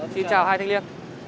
xin chào hai thanh liên